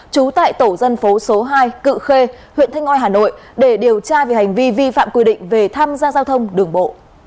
trú tại tổ dân phố số hai cự khê huyện thanh oai hà nội để điều tra về hành vi vi phạm quy định về tham gia giao thông đường bộ